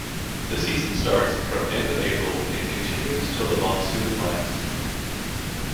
The season starts from end of April, and continues till the monsoon lasts.